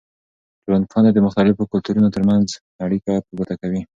ټولنپوهنه د مختلفو کلتورونو ترمنځ اړیکې په ګوته کوي.